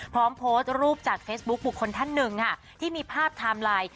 พร้อมโพสต์รูปจากเฟซบุ๊คบุคคลท่านหนึ่งค่ะที่มีภาพไทม์ไลน์